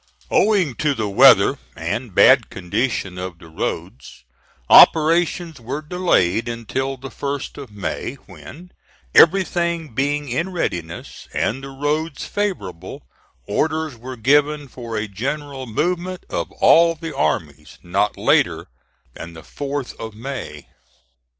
Owing to the weather and bad condition of the roads, operations were delayed until the 1st of May, when, everything being in readiness and the roads favorable, orders were given for a general movement of all the armies not later than the 4th of May.